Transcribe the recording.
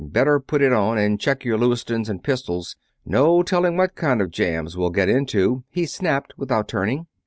Better put it on, and check your Lewistons and pistols no telling what kind of jams we'll get into," he snapped, without turning.